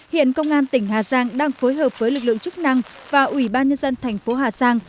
hiện công an tỉnh hà giang đang phối hợp với lực lượng chức năng và ủy ban nhân dân thành phố hà giang